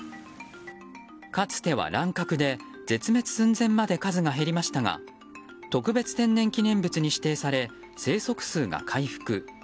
かつては乱獲で絶滅寸前まで数が減りましたが特別天然記念物に指定され生息数が回復。